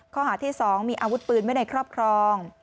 ข้อหาที่๒มีอาวุธปืนไว้ในครอบครอง